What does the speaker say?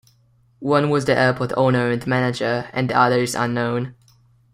One was the airport owner and manager and the other is unknown.